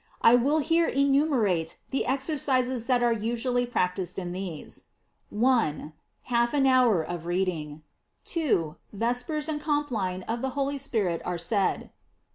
I will here enumerate the ex ercises that are usually practised in these. 1. Half an hour of reading. 2. Vespers and com plin of the Holy Spirit are said.